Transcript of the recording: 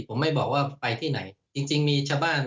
ผมไม่บอกว่าไปที่ไหน